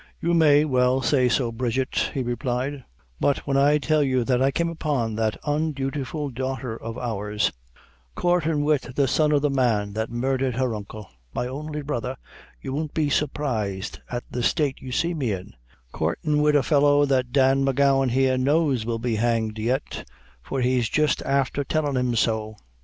"You may well say so, Bridget," he replied; "but when I tell you that I came upon that undutiful daughter of ours coortin' wid the son of the man that murdhered her uncle my only brother you won't be surprised at the state you see me in coortin' wid a fellow that Dan M'Gowan here knows will be hanged yet, for he's jist afther tellin' him so."